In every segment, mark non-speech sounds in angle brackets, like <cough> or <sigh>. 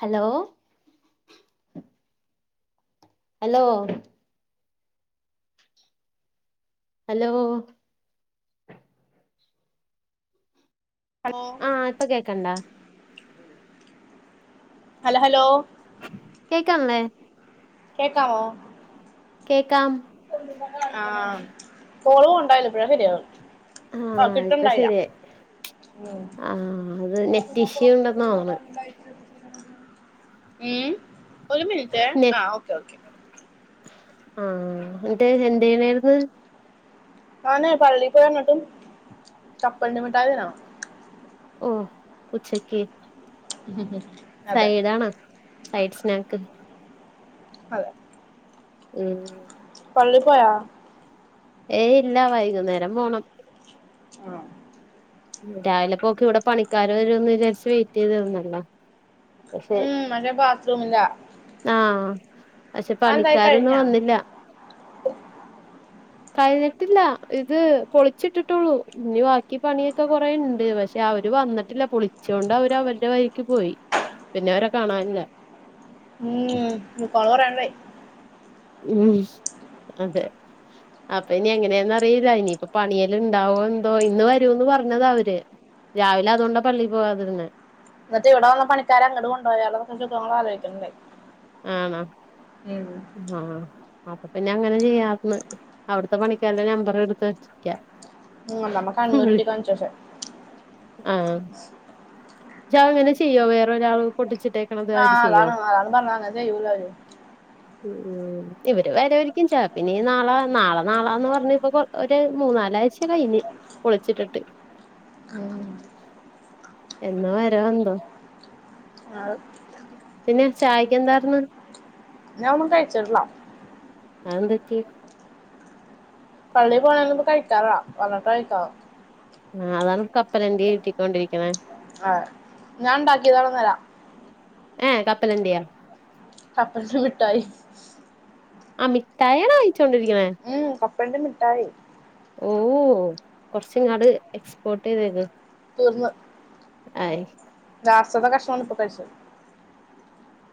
Hello. Hello hello hello ആഹ ഇപ്പൊ കേക്കണ്ടാ ഹല ഹലോ കേക്കണില്ലേ കേക്കാമോ കേക്കാം ആഹ കോള് പോണ്ടായില ഇപ്പഴാ ശരിയാവ് ആഹ ഇപ്പൊ ശരിയായി ഉം ആഹ അത് നെറ്റ് ഇഷ്യു ഉണ്ട് തോന്ന്ണ് ഉം ഒരു മിനിറ്റേ ആ ഓക്കെ ഓക്കെ ആഹ എന്നിട്ട് എന്ത് ചെയ്യ്ണേര്ന്ന് ഞാനെ പള്ളി പോയി വന്നിട്ട് കപ്പലണ്ടി മിട്ടായി തിന്നണ് ഓഹ് ഉച്ചക്ക് <unintelligible> സൈഡാണാ സൈഡ് സ്നാക്ക് അതെ ഉം പള്ളിപോയ ഏയ് ഇല്ല വൈകുന്നേരം പോണം ആഹ രാവിലെ പോക്ക് ഇവിടെ പണിക്കാര് വരുംന്ന് വിചാരിച്ച് വെയിറ്റ് ചെയ്ത് നിന്നല്ലോ ഉം മറ്റേ ബാത്റൂമിന്റെ ആഹ് പക്ഷെ പണിക്കാര് ഇന്ന് കഴിഞ്ഞാ വന്നില്ല <inaudible> കഴിഞ്ഞിട്ടില്ല ഇത് പൊളിച്ചിട്ടിട്ടുള്ളൂ ഇനി ബാക്കി പണി ഒക്കെ കൊറേണ്ട് പക്ഷെ അവര് വന്നിട്ടില്ല പൊളിച്ചോണ്ട് അവര് അവര്ടെ വഴിക്ക് പോയി പിന്നെ അവരെ കാണാനില്ല ഉം <inaudible> ഉം അതെ അപ്പൊ ഇനി എങ്ങനെയെന്ന് അറിയില്ല ഇനിയിപ്പ പണിയെല്ലം ഇണ്ടാവോ എന്തോ ഇന്ന് വരൂന്ന് പറഞ്ഞതാ അവര് രാവിലെ അതോണ്ടാ പള്ളി പോവാതിര്ന്നെ എന്നിട്ട് ഇവിടെ വന്ന പണിക്കാരെ അങ്ങട് കൊണ്ടായാലോന്ന് ആലോയ്ക്കല്ണ്ടായി ആണോ ആഹ് അപ്പൊ പിന്നെ അങ്ങനെ ചെയ്യാര്ന്ന് അവിടുത്തെ പണിക്കാരുടെ നമ്പർ എടുത്ത് വച്ചിക്കാ ഉം അമ്മമ്മ കണ്ണുരുട്ടി കാണിച് പഷെ ആഹ് അത്‌ അങ്ങനെ ചെയ്യോ വേറെ ഒരാൾ പൊട്ടിച്ചിട്ട് ആഹ് അതാണ് അയാളും പറഞ്ഞ് അങ്ങനെ ചെയ്യൂലവര് ഉം ഇവര് വരാരിക്കും ചെലപ്പൊ ഇനി നാളെ നാളെ നാളാന്ന് പറഞ്ഞപ്പൊ കൊ ഒരു മൂന്നാലാഴ്ച കഴിഞ്ഞ് പൊളിച്ചിട്ടിട്ട് ഉം എന്ന് വരു എന്തോ പിന്നെ ചായക്കെന്താര്ന്ന് ഞാൻ ഒന്നും കഴിച്ചിട്ടില്ല അഹെന്തറ്റി? പള്ളി പോണേന് മുമ്പ് കഴിക്കാറില്ല വന്ന്ട്ടാ കഴിക്കാറ് ആ അതാണ് കപ്പലണ്ടി കേറ്റിക്കൊണ്ടിരിക്ക്ണെ ആഹ് ഞാൻ ഇണ്ടാക്കിയതാണ് ഇന്നലെ ഏഹ് കപ്പലണ്ടിയൊ? കപ്പലണ്ടി മിട്ടായി ആഹ് മിട്ടായിയാണാ കഴിച്ചോണ്ടിരിക്കണേ? ഉം കപ്പലണ്ടി മിഠായി ഓഹോ കൊറച്ച് ഇങ്ങാട്ട് എക്സ്പോർട്ട് ചെയ്തേക് തീർന്ന് ആയി ലാസ്റ്റ്ത്തെ കഷ്ണാവാണ് ഇപ്പൊ കഴിച്ചത്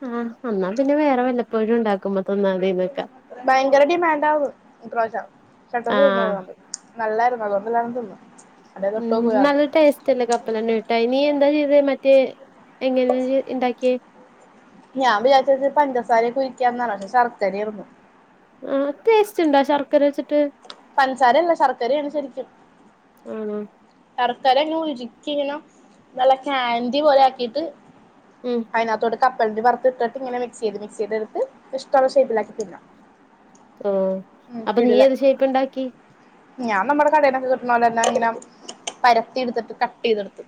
ആഹ് എന്നാ പിന്നെ വേറെ വല്ലപ്പോഴും ഉണ്ടാക്കുമ്പോ തന്നാ മതി ന്നെക്കാ ഭയങ്കര ഡിമാൻസാർന്നു ഇപ്രാവിശ്യം പെട്ടന്ന് തീർന്ന് ആഹ് പോയി അതോണ്ട് നല്ലായിരുന്നു അതോണ്ടെല്ലാരും തിന്ന് ഉം ഇത് നല്ല ടേസ്റ്റ്‌ അല്ലേ കപ്പലണ്ടി മിട്ടായി നീ എന്താ ചെയ്തത് മറ്റേ എങ്ങനെ ഇയ്യ് ഇണ്ടാക്കിയെ? ഞാൻ വിചാരിച്ചത് ഇതില് പഞ്ചസാരയൊക്കെ ഒഴിക്കാന്നാണ് പക്ഷെ ശർക്കരായിരുന്നു ആഹ് ടേസ്റ്റ് ഇണ്ടാ ശർക്കര വെച്ചിട്ട്? പഞ്സാരയല്ല ശർക്കരയാണ് ശരിക്കും ആണോ? ശർക്കര ഇങ്ങനെ ഉരുക്കി ഇങ്ങനെ നല്ല കാൻഡി പോലെ ആക്കിട്ട് ഉം അയിനകത്തോട്ട് കപ്പലണ്ടി വറുത്തിട്ടിട്ട് ഇങ്ങനെ മിക്സ് ചെയത് മിക്സ് ചെയ്ത എടുത്ത് ഇഷ്ടോള്ള ഷേപ്പിലാക്കി തിന്ന ഓ അപ്പൊ നീ ഏത് ഷേപ്പ്ണ്ടാക്കി? ഞാൻ നമ്മടെ കടേന്നൊക്കെ കിട്ട്ണോലന്നെ ഇങ്ങനെ പരത്തി എടുത്തിട്ട് കട്ട് ചെയ്തെടുത്തു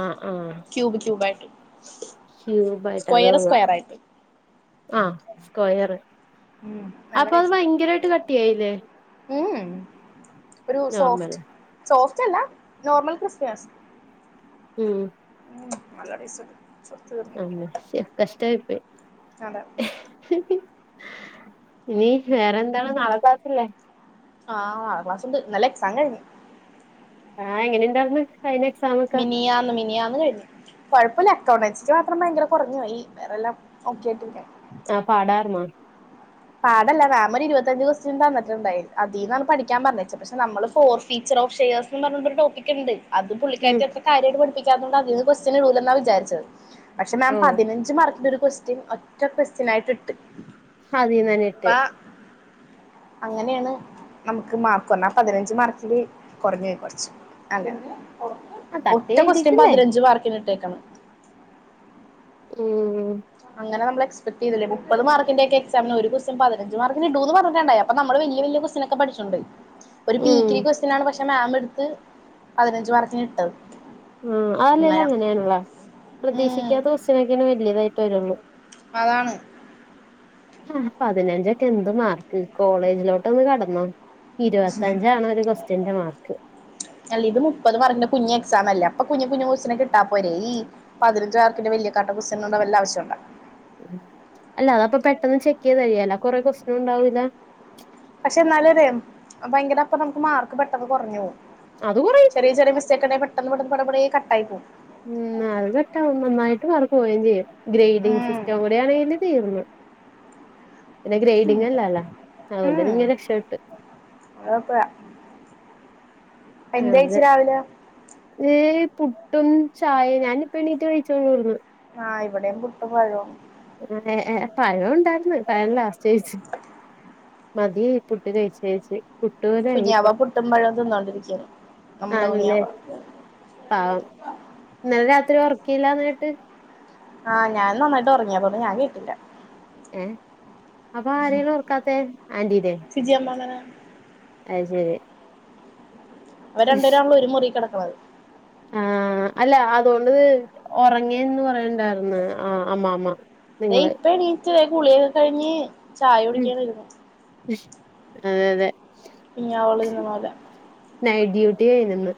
ആഹ് ആഹ് ക്യൂബ് ക്യൂബായിട്ട് ക്യൂബായിട്ട് സ്ക്വയർ അതുകൊള്ളാം സ്ക്വയർ ആയിട്ട് ആഹ് സ്ക്വയർ ഉം നല്ല അപ്പം അത് ടേസ്റ്റുണ്ട് ഭയങ്കരായിട്ട് കട്ടി ആയില്ലേ? ഉം ഒരു നോർമൽ സോഫ്റ്റ് സോഫ്റ്റല്ല നോർമൽ ക്രിസ്പിനെസ്സ് ഉം ഉം നല്ല ടേസ്റ്റ്ണ്ട് സത്യമായിട്ടും തന്നെ ച്ചെ കഷ്ട്ടായിപോയി അതെ ഇനി വേറെന്താ നാളെ ക്ലാസ്സില്ലേ? ആ നാളെ ക്ലാസ്ണ്ട് ഇന്നലെ എക്സാം കഴിഞ്ഞു ആഹ് എങ്ങനെ ഇണ്ടായിര്ന്ന്? കഴിഞ എക്സാമ് മിനിയാന്ന് മിനിയാന്ന് കഴിഞ് കൊഴപ്പല്ല അക്കൗണ്ടൺസിക്ക് മാത്രം ഭയങ്കര കൊറഞ്ഞോയി വേറെല്ലാം ഓക്കെ ആയിട്ടിരിക്ക്ണ് ആ പാടായിരുന്നോ? പാടല്ല മാം ഒര് ഇരുപത്തഞ്ച് കൊസ്റ്റ്യൻ തന്നിട്ടുണ്ടായിരുന്നു അതീന്നാണ് പഠിക്കാൻ പറഞ്ഞേച്ചേ പക്ഷെ നമ്മള് ഫോർ ഫീച്ചർ ഓഫ് ഷെയേസ് ന്നും പറഞ്ഞോണ്ട് ഒരു ട്ടോപ്പിക്ക്ണ്ട് അതു ഉം പുള്ളികാരിക്ക് അത്ര കാര്യമായിട്ട് പഠിപ്പികാത്തോണ്ട് അതീന്നു കൊസ്റ്റിയൻ ഇടൂല എന്നാ വിചാരിച്ചത് പക്ഷേ മാം ഓഹ് പതിന ഞ്ച് മാർക്കിന്റെ ഒരു ക്വസ്റ്റൻ ഒറ്റ ക്വസ്റ്റ്യനായിട്ടു ഇട്ട് അതീന്നന്നെ അപ്പ ഇട്ട് അങ്ങനെയാണ് നമുക്ക് മാർക്ക് വന്ന പതിനഞ്ചു മാർക്കില് കുറഞോയി കുറച്ചു അതനെ ആഹ് തട്ടി ഒറ്റ കൊസ്റ്റൻ എഴുതിട്ടില്ലേ പതിനഞ്ച് മാർക്കിനിട്ടേക്കണ് ഉം.. അങ്ങന നമ്മൾ എക്സപ്റ്റെയ്തില്ല മുപ്പത് മാർകിന്റെകെ എക്സാമിന് ഒരു കോസ്റ്റിൻ പതിനഞ്ച് മാർക്കിന് ഇടുന്നു പറഞ്ഞിട്ടുണ്ടായെ അപ്പം നമ്മള് വല്യ വല്യ കോസ് അങ്ങനെയൊക്കെ പഠിച്ചിണ്ട് മം ഒരു പീക്കിരി ക്വസ്റ്റിനാണ് പക്ഷെ മാം എടുത്ത് പതിനഞ്ച് മാർക്കിന്‌ ഇട്ടത് ഉം അതല്ലേലും അങ്ങനെ അങ്ങനെയാണെടാ ഉം പ്രതീക്ഷിക്കാത്ത കോസ്റ്റിനൊക്കെയാണ് വലുത് തരുള്ളൂ അതാണ് ആഹ് പതിനഞ്ചൊക്കെ എന്ത് മാർക്ക് കോളേജിലോട്ടുന്നു കടന്നൊ ഇരുപത്തഞ്ചാണ് ഒരു ക്വസ്റ്റ്യന്റെ മാർക്ക് അല്ല ഇത് മുപ്പത് മാർക്കിന്റെ കുഞ്ഞു എക്സാം അല്ലേ അപ്പൊ കുഞ്ഞു കുഞ്ഞു കോസ്റ്റിനൊക്കെ ഇട്ടാ പോരെ ഇ, അപ്പ പതിനഞ്ചു മാർക്കിന്റെ വല്യ കാട്ട <unintelligible> വല്ല ആവശ്യോണ്ട ഉം അല്ല അതപം പെട്ടെന്ന് ചെക്കയ്ത് കഴിയാലൊ കൊറെ കോസ്റ്റിനും ഉണ്ടാവൂല പക്ഷെ എന്നാലും ഒര് ഭയങ്കര അപ്പൊ നമുക്ക് മാർക്ക് പെട്ടെന്ന് കൊറഞോഉം അത് കൊറയും ചെറിയ ചെറിയ മിസ്റ്റെക് ഉണ്ടെൽ പെട്ടന്നു പെട്ടെന്ന് പടെ പടെ കട്ടായി പോവും ഉം അതൊക്കെ നന്നായിട്ട് മാർക്ക് പോവേം ചെയ്യും ഗ്രേഡിങ് ഉം സിസ്റ്റം കൂടെ ആണെൽ തീർന്നു പിന്നെ ഗ്രൈഡിങ് അല്ലാലേ അതുകൊണ്ട് ഞാൻ രക്ഷപ്പെട്ട് ഓക്കേ യെന്തഴ്ച്ച് രാവിലെ ഇ പുട്ടും ചായയും ഞാനിപ്പൊ എണ്ണീറ്റ് കഴിച്ചോളുവിടുന്ന് ആഹ് ഇവിടെയും പുട്ടും പഴവാ ഇവിടെ എ എ പഴം ണ്ട്ടായിരുന്നു പഴം ലാസ്റ്റ്ഴിച് മതിയായി പുട്ട് കഴിച് കഴിച് പുട്ടുപോലെ കുഞ്ഞാവ പുട്ടും പഴൊക്കെ തിന്നോണ്ടിരിക്കാണ് നമ്മുടെ കുഞ്ഞാവ ആഹു ഇന്നലെ രാത്രി ഒറകീലാന്നേട്ട് ആഹ് ഞാൻ നന്നായിട്ട് ഉറങ്ങി അപ്പ ഞാൻ കേട്ടില്ല ഏഹ് അപ്പ ആരെയാണ് ഒറക്കാത്തെ ആന്റീനെ ഇജ്ജ് എന്താ ങ്ങനേ അഹ് ശരി അവരണ്ടേരാണള്ളോ ഒരു മുറി കിടക്കുന്നത് ആ അല്ല അതുകൊണ്ട് ഉറങ്ങേന്ന് പറയണ്ടായിന്ന് ആഹ് അമ്മ അമ്മ തേ ഇപ്പ എണീറ്റ് കുളിയൊക്കെ കഴിഞ്ഞ് ചായ ഉം കുടിക്കൻ വരുന്നു അതെ അതെ <unintelligible> പോല നൈറ്റ് ഡ്യൂട്ടിയെ നിന്ന്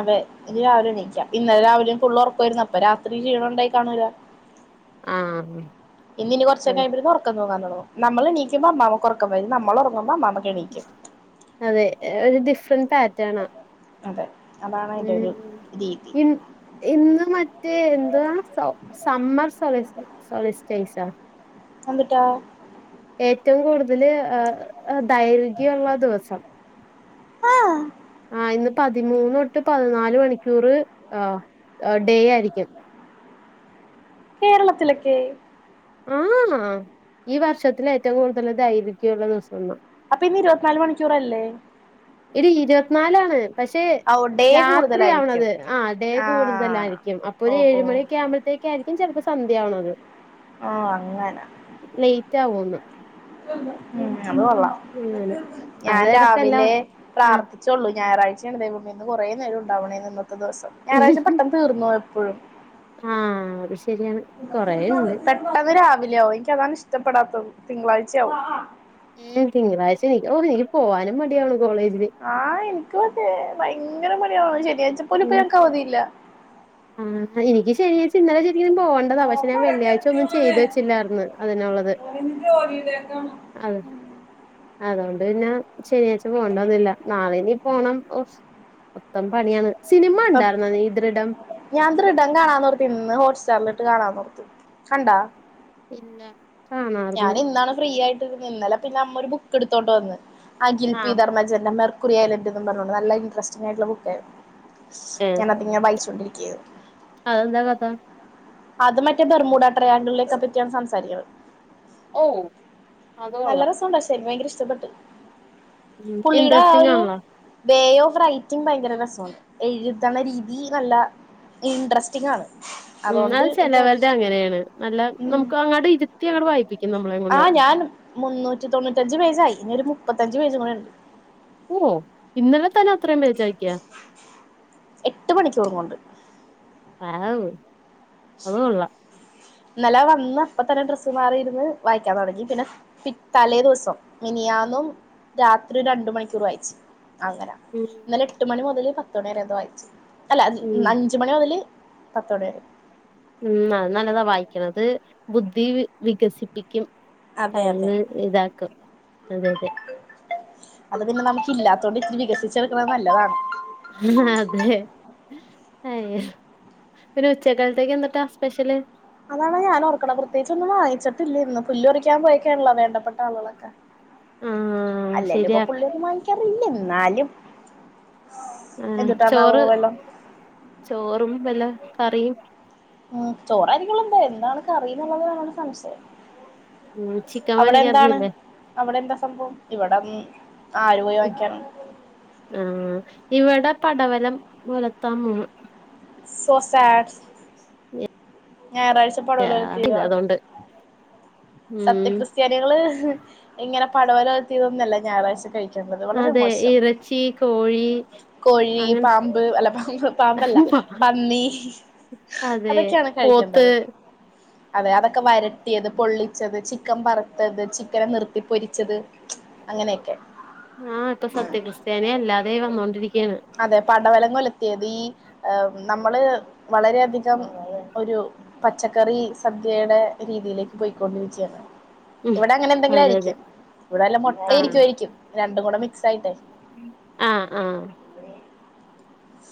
അതെ ഇത് രാവിലെ എണീക്കാം ഇന്നലെ രാവിലെയും പുള്ളള് ഉറക്കവായിരുന്നു അപ്പൊ രാത്രി ക്ഷീണംണ്ടായി കാണൂലാ ആ ഇന്ന്നി കൊറച്ചൊക്കെ കഴിയുമ്പോഴത് ഉറക്കം തൂങ്ങാൻതൊടങ്ങും നമ്മള് നീക്കുമ്പ മ്മാമക്ക് ഒർക്കം വരു നമ്മള് ഉറങ്ങുമ്പ മ്മാ മ അതെ ഒരു ഡിഫറന്റ് പാറ്റേണാ അതെ അതാണ് അതിൻന്റെറെ ഉം ഒരു രീതി ഇ ഇന്ന് മറ്റേ എന്തവാ സ സമ്മർ സളി സൊളിസ്റ്റേസാ അതെന്തൂട്ടാ ഏറ്റവും കൂടുതൽ ദൈർഘ്യമുള്ള ദിവസം ആഹ് ആഹ് ഇന്ന് പതിമൂന്ന് തൊട്ട് പതിനാല് മണിക്കൂർ ഡേ ആയിരിക്കും കേരളത്തിലൊക്കെ ആഹ് ഈ വർഷത്തില ഏറ്റവും കൂടുതൽ ദൈർഗ്യം ഉള്ള ദിവസന്ന അപ്പൊ ഇന്ന് ഇരുപത്തിനാല് മണിക്കൂറല്ലേ എടി ഇരുപത്തിനാല ആണ് പക്ഷെ ഓ ഡേ കൂടുതലായിരിക്കും രാത്രിയാവണത് ആഹ് ഡേ ആഹ് കൂടുതലായിരിക്കും അപ്പൊ ഓ ഒരു ഓ ഏഴുമണിയൊക്കെ ആകുമ്പൾ ഇക്ക ആയിരിക്കും ചിലപ്പോ സന്ധ്യയാണത് ഓഹ് അങ്ങനെ ലേറ്റ് ആവുന്നു ഉം അത് കൊള്ളാം അങ്ങനെ ഞാൻ അത് എടക്കല്ല രാവിലെ പ്രാർ ആഹ് ച്ചോള്ളു ഞായറാഴ്ചയാണ് ദേവിന്ന്റേ നേം ഉണ്ടാവണേ ഇന്നത്തെ ദിവസം ഞായറാഴ് പട്ട തീർന്നു എപ്പോഴും ആഹ് അത് ശരിയാണ് കൊറേണ്ട് പെട്ടെന്ന് രാവിലെയ ആവും എനിക്ക് അതാണ് ഇഷ്ടപ്പെടാത്തത് തിങ്കളാഴ്ചയാവും ഉം തിങ്കളാഴ്ച എനിക്ക് എനിക്ക് പോവാനും മടിയാവുണ് കോളേജില് ആഹ് എനിക്ക് മതേ ഭയങ്കര മടിയാണ് ശനിയാഴ്ച പോലും ഇപ്പൊ ഉം ഞനക്ക് അവധിയില്ല ആഹ് എനിക്ക് ശനിയാഴ്ച ന്നല ശരിക്കലും പോകണ്ട പക്ഷെ ഞാൻ വെള്ളിയാഴ്ച ഒന്നും ചെയ്ത് വെച്ചില്ലായിന്ന് അതിനുള്ളത് ഓന് ജോലിയിലേക്കാണ് അത അതുകൊണ്ട് പിന്നെ ശനിയാഴ്ച്ച പോകണ്ട ഒന്നില്ല നാളിനീ പോണം മൊത്തം പണിയാണ് സിനിമ ഉണ്ടായിരുന്ന നീ ഈ ദ്രടം ഞാൻ ദൃടം കാണാന്ന്ർത്തി ഇന്ന് ഹോട്ട് സ്റ്റാറിലിട്ട് കാണാന്ന്ർത്തി കണ്ടാ ല്ലാ ഞാൻ ഇന്നാണ് ഫ്രീ ആയിട്ടിന്നത് ഇന്നലെ പിന്നെ അമ്മ ഒരു ബുക്ക് എടുത്തോണ്ട് വന്ന് അഖിൽ ആഹ് പിധർമ്മജന്റെ കുറിയയലൻ്റ് എന്ന് പറഞ്ഞോണ്ട് നല്ല ഇൻടറ്രസ്റ്റിംഗ ആയിട്ടുള്ള ബുക്കായിരുന്നു ഏഹ് ഞാനതിങ്ങനെ വായിച്ചുകൊണ്ടിരിക്കുകയാണ് അതെന്താ കഥ അത് മറ്റേ ബെർമൂടാട്രയാങ്കിളിലേക്കെ പറ്റിയാണ് സംസാരിക്കുന്നത് ഓ അത് നല്ല കൊള്ളാം രസണ്ടാ ശരി ഭയങ്കര ഇഷ്ടപ്പെട്ട് പുള്ളീടെ ആ ഇൻട്രസ്റ്റിംഗ് ഒരു ആണല്ലോ വേ ഓഫ് റൈറ്റിങ് ഭയങ്കര രസമാണ് എഴുതണ രീതി നല്ല ഇൻട്രസ്റ്റിംങ്ങാണ്. ഉം അത് ചെിലവരുടെ അങ്ങനെയാണ് നല്ല നമുക്ക് അങ്ങട്ട് ഇരുത്തി അങ്ങട്ട് വായിപ്പിക്കും നമ്മളെ കൊണ്ട് ആഹ്ഞൻ മുന്നൂറ്റി തൊണ്ണൂറ്റഞ്ച് പേജയി ഇനി ഒരു മുപ്പത്തഞ്ച് പേജും കൂടെ ഉണ്ട്. ഉവോ ഇന്നലെ തന്നെ അത്രയും പേജാക്ക്യ എട്ട് മണിക്കൂറും കൊണ്ട് ആഹ് അതുകൊള്ളാ ഇന്നല വന്ന് അപ്പതന്നെ ഡ്രസ്സ്മാറിയിരുന്ന് വായിക്കാൻ തൊടങ്ങി പിന്നെ പിറ്റ തലേദിസം മിനിയാന്നും രാത്രി രണ്ട് മണിക്കൂർ വായിച്ച് അങ്ങനാ ഉം ഇന്നല എട്ടുമണി മുതല് പത്തുമണിവരെക്കൊ വായിച്ചു അല്ല ഉം അഞ്ചുമണി മെതല് പത്തുമണിവരെ ഉം അത് നല്ലതാ വായിക്കണത് ബുദ്ധി വിക വികസിപ്പിക്കും അതെ അതെ കഴിവ് ഇതാക്കും അതെയതെ അത് പിന്നെ നമക്കില്ലാത്തതോണ്ട് ഇത്തിരി വികസിച്ചെട്ക്ക്ണെ നല്ലതാണ് ആഹ് അതേ അയോ പിന്നെ ഉച്ചക്കെൽത്തേക്കെന്തൂട്ടാ സ്പെഷെല് അതാണ് ഞാനോർക്ക്ണ പ്രത്യേക്ച്ചൊന്നും വാങ്ങിച്ചിട്ടില്ല ഇന്ന് പുല്ല് പറിയ്ക്കാൻ പോയേക്ക്യാണല്ലോ വേണ്ടപ്പെട്ട ആള്കളൊക്കെ ആഹ് അല്ലേലുപ്പൊ ശരിയാ പുള്ളിയൊന്നും വാങ്ങിയ്ക്കാറില്ലെന്നാലും ആഹ് ചോറ് ചോറും പെന്നെ കറിയും ഉം ചോറായ്രിക്കാെള്ളെന്തായാലും ന്താണ് കറീന്നുള്ളതാണൊരു സംശയം ഉം ചിക്കൻ അവ്ടെന്താണ് വാങ്ങിക്കായിരുന്നില്ലേ അവ്ടെ എന്താ സംഭവം ഇവടം ആര് പോയ് വാങ്ങിക്ക്യാനാണ് ആഹ് ഇവെടെ പടവലം ഒലത്താമോ സൊ സാഡ്സ് ഞായറാഴ്ച്ച ഇല്ല പടവലോൽത്തീതാ അതുകൊണ്ട് ഉം സത്യക്രിസ്ത്യാനികെള് ഇങ്ങെനെ പടവല ഒൽത്തീതൊന്നുല്ല ഞായറാഴ്ച്ച കഴി അതെ ഇറച്ചീ കോഴീ കോഴീ പാമ്പ് അല്ല പാമ്പ് പാമ്പല്ല പന്നി അതെ അതൊക്കെയാണ് പോത്ത് കഴിക്കെണ്ടെത് അതെ അതൊക്കെ വരട്ടി അത് പൊള്ളി ച്ച ഒത് ചിക്കൻ വറ്ത്തത് ചിക്കനെ നിർത്തി പൊരിച്ചത് അങ്ങനെയെക്കെ ആഹ് ഇപ്പ സത്യക്രിസ്ത്യാനിയെല്ലാതേയ് വന്നോണ്ടിരിക്ക്യാണ് അതെ പടവലങ്ങ ഒലെത്തിയെത് ഈ നമ്മള് വളരെ അധികം ഒരു പച്ചക്കറി സദ്യേടെ രീതിയിലേക്ക് പാെയ്ക്കൊണ്ടിരിക്ക്യാണ് ഉം ഇവടെ അങ്ങനെ അതെ അതെ എന്തെങ്കിലായ്രിക്കും ഇവിടെ വല്ല മാെട്ടേ ആഹ് ഇരിക്ക്യുവായ്രിക്ക്യും രണ്ടും കൂടെ മിക്സായ്ട്ടേ ആഹ് ആഹ്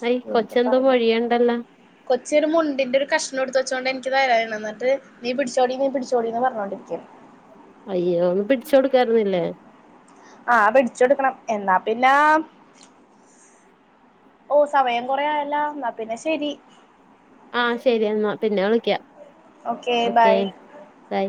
ഹയ് കൊച്ചെന്തോ മൊഴിയ്ൻണ്ടല്ലാ കൊച്ച് ഒര് മുണ്ടിൻ്റെരു കഷ്ണം ഇട്ത്ത്‌വച്ചോണ്ട് എനിയ്ക്ക് തരായ്ര്ന്ന് ന്നെട്ട് നീ പിട്ച്ചോടി നീ പിട്ച്ചോടീന്ന് പർഞ്ഞോണ്ടിരിയ്ക്കാണ് അയ്യോ ഒന്ന് പിടിച്ചൊട്ക്കായ്ര്ന്നില്ലേ ആഹ് പിട്ച്ചാെട്ക്കണം എന്നാ പിന്നാ ഓഹ് സമയം കൊറേയായല്ലാ ന്നാ പിന്നെ ശരി ആഹ് ശരി എന്നാ പിന്നെ വിളിക്കാം ഓക്കെ ബൈ ഓക്കേ ബൈ